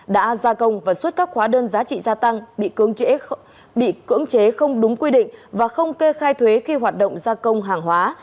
đã gia công và xuất các khóa đơn giá trị gia tăng bị cưỡng chế không đúng quy định và không kê khai thuế khi hoạt động gia công hàng hóa